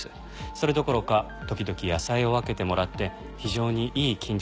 それどころか時々野菜を分けてもらって非常にいい近所付き合いをしていたそうです。